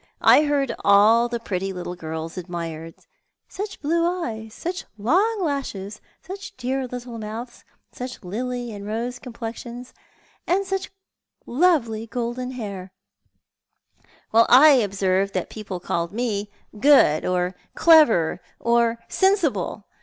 I heard all the pretty little girls admired — 'such blue eyes, such long lashes, such dear little mouths, such lily and rose complexions, and lovely golden hair/ while I observed that people called me good, or clever, or sensible!